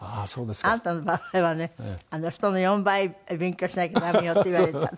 「あなたの場合はね人の４倍勉強しなきゃダメよ」って言われたって。